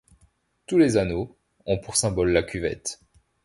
Tous les Anoh ont pour symbole la Cuvette.